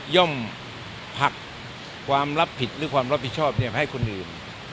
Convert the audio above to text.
่อมผลักความรับผิดหรือความรับผิดชอบไปให้คนอื่น